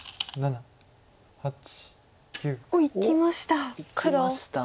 おっいきました。